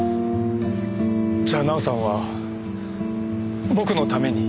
じゃあ奈緒さんは僕のために。